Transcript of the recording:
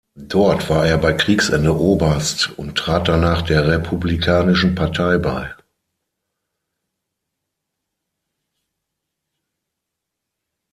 Dort war er bei Kriegsende Oberst und trat danach der Republikanischen Partei bei.